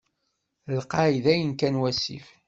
Lqay dayen kan wasif.